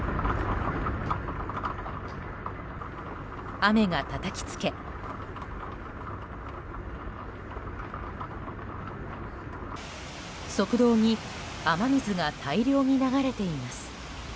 雨がたたきつけ、側道に雨水が大量に流れています。